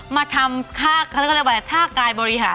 มาทำท่ากายบริหาร